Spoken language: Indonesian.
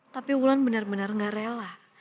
tapi bulan benar benar gak rela